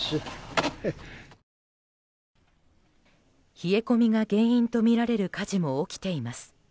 冷え込みが原因とみられる火事も起きています。